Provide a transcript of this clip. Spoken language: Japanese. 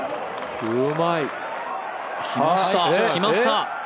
うまい、きました。